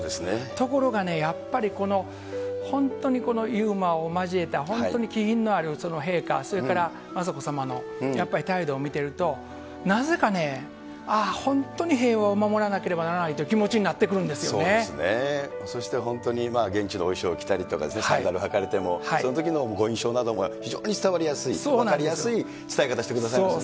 ところがね、やっぱりこの本当にユーモアを交えた本当に気品のある、陛下、それから雅子さまのやっぱり態度を見てると、なぜかね、ああ、本当に平和を守らなければならないという気持ちになってくそうですね、そして本当に現地のお衣装を着たりとか、そのときのご印象なども非常に伝わりやすい、分かりやすい伝え方してくださいますね。